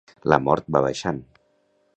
La mort va baixant.